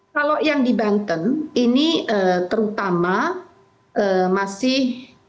kalau yang di banten ini terutama masih